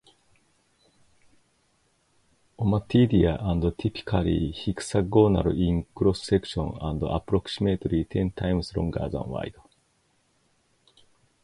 Ommatidia are typically hexagonal in cross section and approximately ten times longer than wide.